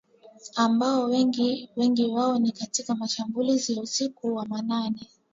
ambapo wengi wao ni katika mashambulizi ya usiku wa manane